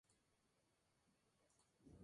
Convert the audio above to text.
Gracias a Victor Pecci y Francisco González.